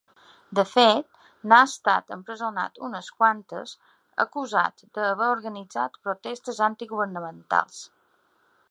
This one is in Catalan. De fet, n’ha estat empresonat unes quantes acusat d’haver organitzat protestes antigovernamentals.